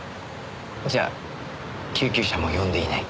じゃあ救急車も呼んでいない？